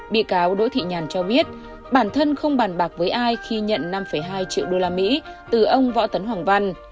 bị cáo đỗ thị nhàn cho biết bản thân không bàn bạc với ai khi nhận năm hai triệu usd từ ông võ tấn hoàng văn